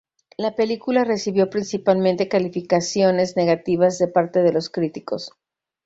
La película recibió principalmente calificaciones negativas de parte de los críticos.